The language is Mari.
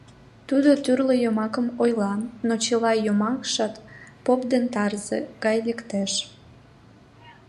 Тудо тӱрлӧ йомакым ойла, но чыла йомакшат «Поп ден тарзе» гай лектеш.